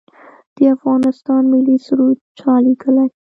د افغانستان ملي سرود چا لیکلی؟